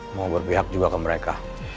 mau berpihak juga ke mereka